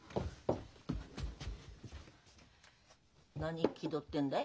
何気取ってんだい？